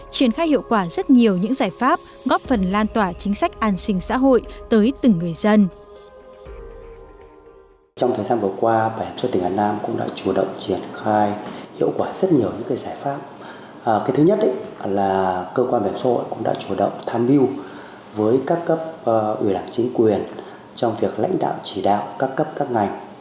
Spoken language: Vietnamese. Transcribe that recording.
triển khai hiệu quả rất nhiều những giải pháp góp phần lan tỏa chính sách an sinh xã hội tới từng người dân